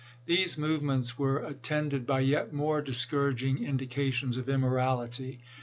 These movements were attended by yet more discouraging in dications of immorality.